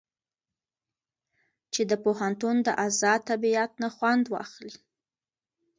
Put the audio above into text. چې د پوهنتون د ازاد طبيعت نه خوند واخلي.